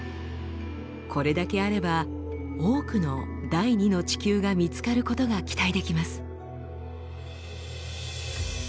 これだけあれば多くの第２の地球が見つかることが期待できます。